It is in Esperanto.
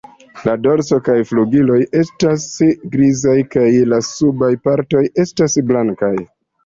La dorso kaj flugiloj estas grizaj kaj la subaj partoj estas blankaj.